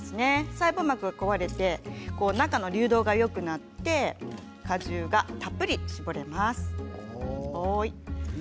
細胞膜が壊れて中の流動がよくなって果汁がたっぷり搾れます。